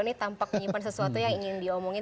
ini tampak menyimpan sesuatu yang ingin diomongin